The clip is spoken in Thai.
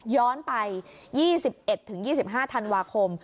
ย้อนไป๒๑๒๕ธันวาคม